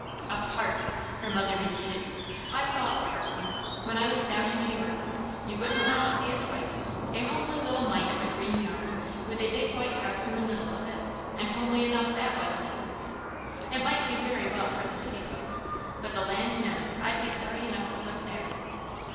"A park!" her mother repeated. "I saw a 'park' once, when I was down to New York; you wouldn't want to see it twice. A homely little mite of a green yard, with a big white house in the middle of it; and homely enough that was too. It might do very well for the city folks; but the land knows I'd be sorry enough to live there.